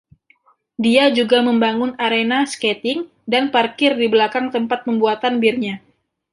Dia juga membangun arena skating dan parkir di belakang tempat pembuatan birnya.